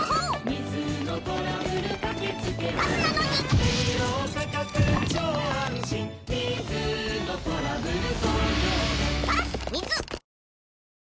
水のトラブル